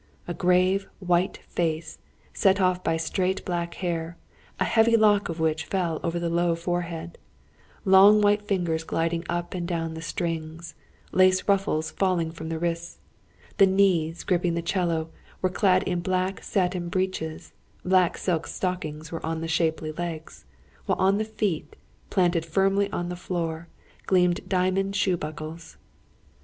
A grave, white face, set off by straight black hair, a heavy lock of which fell over the low forehead; long white fingers gliding up and down the strings, lace ruffles falling from the wrists. The knees, gripping the 'cello, were clad in black satin breeches, black silk stockings were on the shapely legs; while on the feet, planted firmly upon the floor, gleamed diamond shoe buckles.